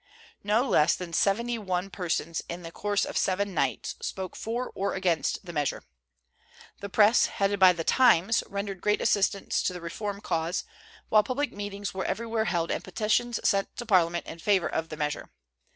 No less than seventy one persons in the course of seven nights spoke for or against the measure. The Press, headed by the "Times," rendered great assistance to the reform cause, while public meetings were everywhere held and petitions sent to Parliament in favor of the measure.